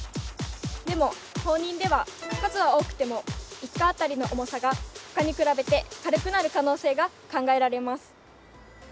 でも放任では数は多くても１果あたりの重さが他に比べて軽くなる可能性が考えられます。